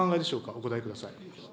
お答えください。